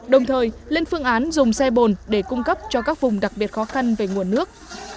đồng thời lên phương án dùng xe bồn để cung cấp cho các vùng đặc biệt khó khăn về nguồn nước